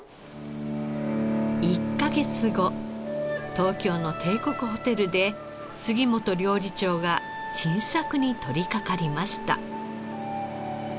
東京の帝国ホテルで杉本料理長が新作に取り掛かりました。